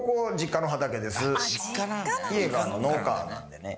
家が農家なんでね。